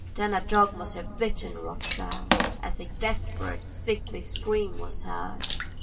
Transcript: Then a dog must have bitten Rothschild, as a desperate, sickly scream was heard.